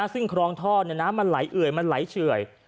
ซึ่งครองท่อน้ำมันไหลเอื่อยมันไหลเฉื่อย